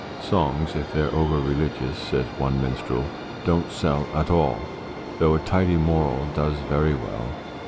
'Songs if they're over religious,' says one minstrel, 'don't sell at all; though a tidy moral does werry well.